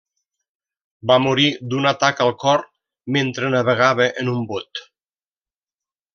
Va morir d'un atac al cor mentre navegava en un bot.